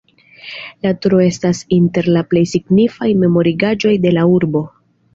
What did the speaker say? La turo estas inter la plej signifaj memorigaĵoj de la urbo.